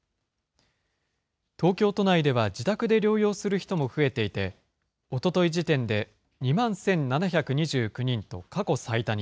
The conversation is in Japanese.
東京都内では自宅で療養する人も増えていて、おととい時点で２万１７２９人と過去最多に。